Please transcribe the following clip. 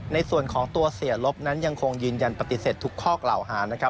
ในส่วนของตัวเสียลบนั้นยังคงยืนยันปฏิเสธทุกข้อกล่าวหานะครับ